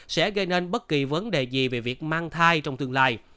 sẽ gây nên bất kỳ vấn đề gì về việc mang thai trong tương lai